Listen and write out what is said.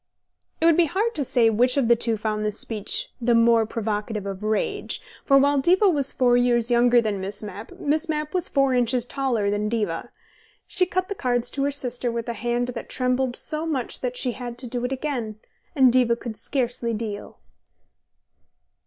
It would be hard to say which of the two found this speech the more provocative of rage, for while Diva was four years younger than Miss Mapp, Miss Mapp was four inches taller than Diva. She cut the cards to her sister with a hand that trembled so much that she had to do it again, and Diva could scarcely deal.